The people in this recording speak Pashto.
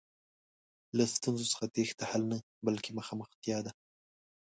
له ستونزو څخه تېښته حل نه، بلکې مخامختیا ده.